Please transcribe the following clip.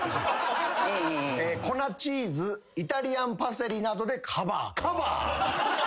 「粉チーズ・イタリアンパセリなどでカバー」「カバー」！？